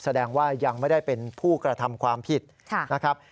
แสดงว่ายังไม่ได้เป็นผู้กระทำความผิดนะครับ